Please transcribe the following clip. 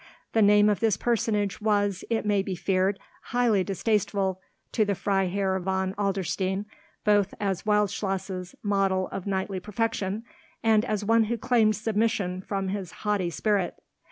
The name of this personage was, it may be feared, highly distasteful to the Freiherr von Adlerstein, both as Wildschloss's model of knightly perfection, and as one who claimed submission from his haughty spirit.